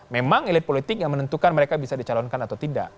memang elit politik yang menentukan mereka bisa dicalonkan atau tidak